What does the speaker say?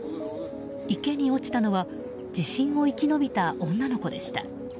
池に落ちたのは地震を生き延びた女の子でした。